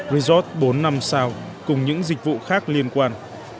resort bốn năm sao cùng những dịch vụ khác liên quan